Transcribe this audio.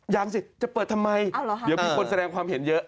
ยังสิจะเปิดทำไมเดี๋ยวมีคนแสดงความเห็นเยอะ